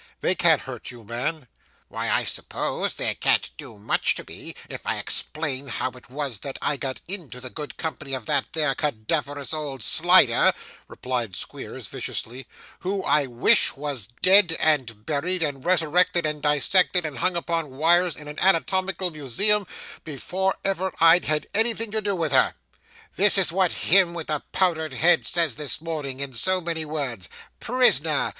'They can't hurt you, man.' 'Why, I suppose they can't do much to me, if I explain how it was that I got into the good company of that there ca daverous old Slider,' replied Squeers viciously, 'who I wish was dead and buried, and resurrected and dissected, and hung upon wires in a anatomical museum, before ever I'd had anything to do with her. This is what him with the powdered head says this morning, in so many words: "Prisoner!